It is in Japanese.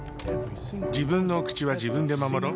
自分のお口は自分で守ろっ。